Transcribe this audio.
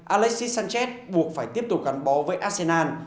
alexis sanchez buộc phải tiếp tục gắn bó với arsenal